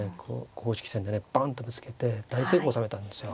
公式戦でねバンッとぶつけて大成功を収めたんですよ。